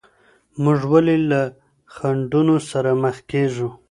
موږ ولي له خنډونو سره مخ کیږو؟